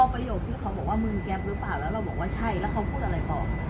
พี่พอแล้วพี่พอแล้ว